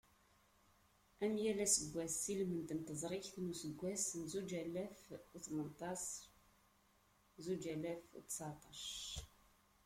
Am yal aseggas, i lmend n teẓrigt n useggas n zuǧ alaf u tmenṭac, zuǧ alaf u tteɛṭac.